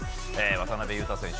渡邊雄太選手